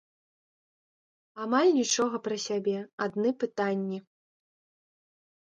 Амаль нічога пра сябе, адны пытанні.